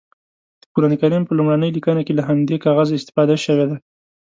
د قرانکریم په لومړنۍ لیکنه کې له همدې کاغذه استفاده شوې ده.